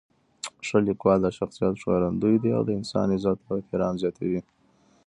ښه لیکوالی د شخصیت ښکارندوی دی او د انسان عزت او احترام زیاتوي.